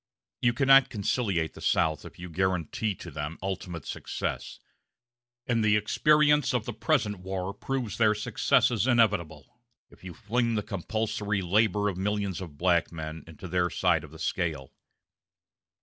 You cannot conciliate the South if you guarantee to them ultimate success; and the experience of the present war proves their successes inevitable if you fling the compulsory labor of millions of black men into their side of the scale....